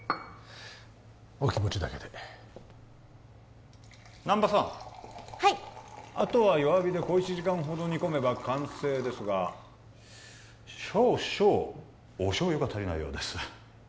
お気持ちだけで難波さんはいあとは弱火で小１時間ほど煮込めば完成ですが少々お醤油が足りないようです